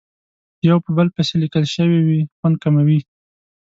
یو په بل پسې لیکل شوې وي خوند کموي.